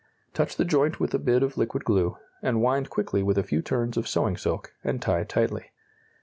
Touch the joint with a bit of liquid glue, and wind quickly with a few turns of sewing silk and tie tightly.